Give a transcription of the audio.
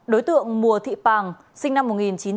đối tượng mùa thị pàng sinh năm một nghìn chín trăm tám mươi năm